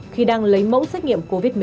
khi đang lấy mẫu xét nghiệm covid một mươi chín